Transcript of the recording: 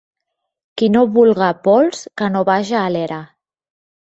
Qui no vulga pols, que no vaja a l’era.